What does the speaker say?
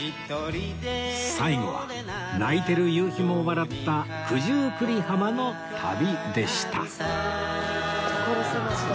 最後は泣いてる夕日も笑った九十九里浜の旅でした